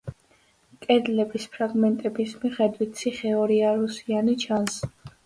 კედლების ფრაგმენტების მიხედვით ციხე ორიარუსიანი ჩანს.